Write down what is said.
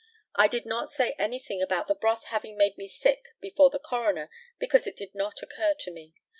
I did not say anything about the broth having made me sick before the coroner, because it did not occur to me.